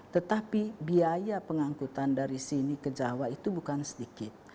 tetapi biaya pengangkutan dari sini ke jawa itu bukan sedikit